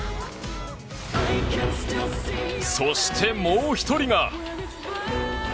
そしてもう１人が。